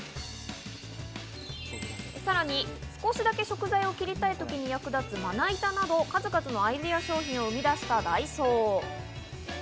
さらに少しだけ食材を切りたい時に役立つまな板など数々のアイデア商品を生み出したダイソー。